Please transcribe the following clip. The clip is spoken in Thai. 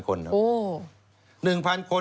๑๐๐๐คนเหรอครับ๑๐๐๐คน